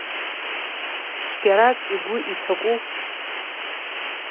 Цәгьарак игәы иҭаку?